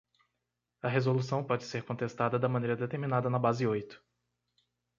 A resolução pode ser contestada da maneira determinada na base oito.